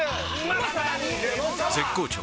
絶好調！！